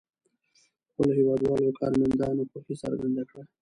خپلو هېوادوالو او کارمندانو خوښي څرګنده کړه.